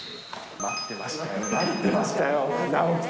待ってましたよ。